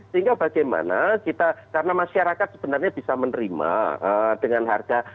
sehingga bagaimana kita karena masyarakat sebenarnya bisa menerima dengan harga yang relatif baik relatif tinggi yang sekarang ini terjadi